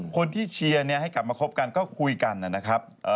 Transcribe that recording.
เชียร์ให้กลับมาคบกันก็คุยกันนะครับ